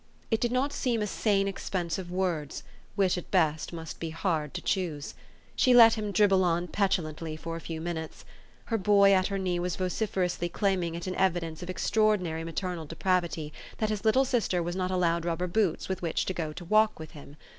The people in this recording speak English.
It did not seem a sane expense of words, which, at best, must be hard to choose. She let him dribble on petulantly for a few minutes. Her boy at her knee was vociferously claiming it an evi dence of extraordinary maternal depravity, that his little sister was not allowed rubber boots with which to go to walk with him.